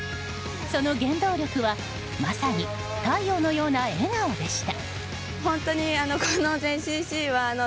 その原動力はまさに太陽のような笑顔でした。